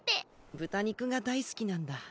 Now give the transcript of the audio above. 豚肉が大好きなんだ。